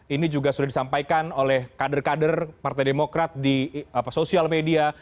ini juga sudah disampaikan oleh kader kader partai demokrat di sosial media